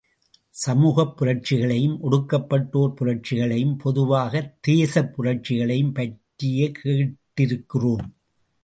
சமூகப் புரட்சிகளையும், ஒடுக்கப்பட்டோர் புரட்சிகளையும், பொதுவாகத் தேசப்புரட்சிகளையும் பற்றியே கேட்டிருக்கிறோம்.